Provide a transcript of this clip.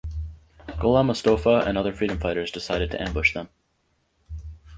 Golam Mostofa and other freedom fighters decided to ambush them.